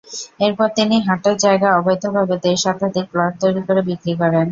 এরপর তিনি হাটের জায়গা অবৈধভাবে দেড় শতাধিক প্লট তৈরি করে বিক্রি করেন।